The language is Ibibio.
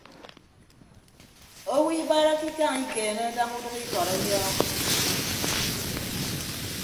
Owo ibarake ikañ ikeene daña udʌk ikọt ọnyọọñ.